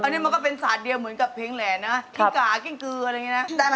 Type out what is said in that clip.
ได้หนังเดือนความโชคด้วย